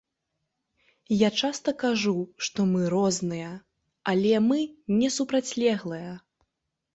Я часта кажу, што мы розныя, але мы не супрацьлеглыя.